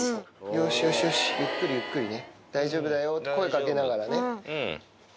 よしよしよし、ゆっくりね、大丈夫だよって声かけながらね。